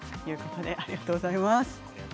ありがとうございます。